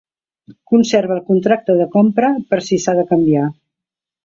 Conserva el contracte de compra per si s'ha de canviar.